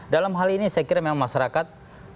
dalam hal ini saya kira memang masyarakat